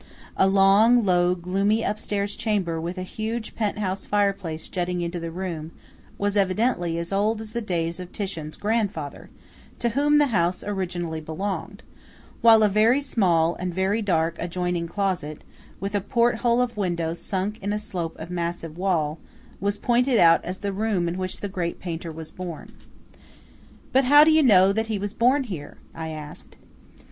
A long, low, gloomy upstairs chamber with a huge penthouse fire place jutting into the room, was evidently as old as the days of Titian's grandfather, to whom the house originally belonged; while a very small and very dark adjoining closet, with a porthole of window sunk in a slope of massive wall, was pointed out as the room in which the great painter was born. "But how do you know that he was born here?" I asked.